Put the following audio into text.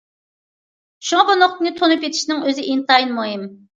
شۇڭا بۇ نۇقتىنى تونۇپ يېتىشنىڭ ئۆزى ئىنتايىن مۇھىم.